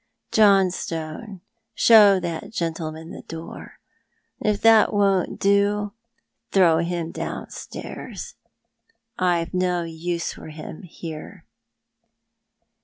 Johnstone, show that gentleman the door, and if that won't do, throw him downstairs. I've no use for him here."